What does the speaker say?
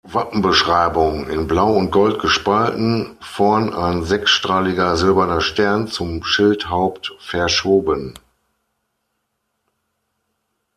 Wappenbeschreibung: In Blau und Gold gespalten; vorn ein sechsstrahliger silberner Stern zum Schildhaupt verschoben.